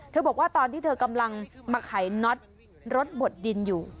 บอกว่าตอนที่เธอกำลังมาขายน็อตรถบดดินอยู่